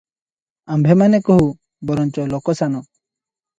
ଆମ୍ଭେମାନେ କହୁ, ବରଞ୍ଚ ଲୋକସାନ ।